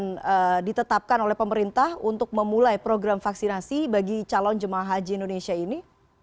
yang ditetapkan oleh pemerintah untuk memulai program vaksinasi bagi calon jemaah haji indonesia ini